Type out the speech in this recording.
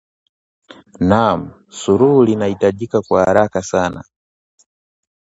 Naam, suluhu linahitajika kwa haraka sana